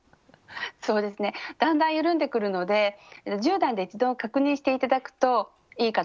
そうですねだんだん緩んでくるので１０段で一度確認して頂くといいかと思います。